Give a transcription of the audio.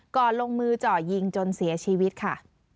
ลงมือเจาะยิงจนเสียชีวิตค่ะ